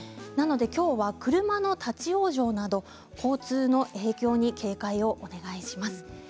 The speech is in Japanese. なので、きょうは車の立往生など交通の影響に警戒をお願いします。